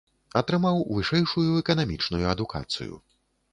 Атрымаў вышэйшую эканамічную адукацыю.